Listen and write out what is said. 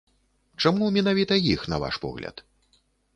Чаму менавіта іх, на ваш погляд?